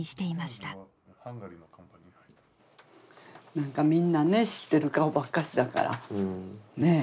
なんかみんなね知ってる顔ばっかしだからねえ。